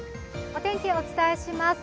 お天気、お伝えします。